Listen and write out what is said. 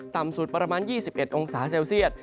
ต่ำสุดประมาณ๒๑องศาเซลเซียต